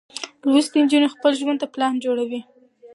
لوستې نجونې خپل ژوند ته پلان جوړوي.